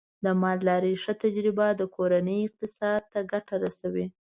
د مالدارۍ ښه تجربه د کورنۍ اقتصاد ته ګټه رسوي.